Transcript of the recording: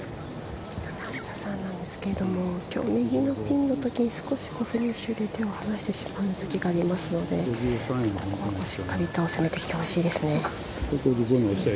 山下さんですが今日、右のピンのときに少しフィニッシングで手を離してしまったときがありますのでここはしっかりと攻めてきてほしいです。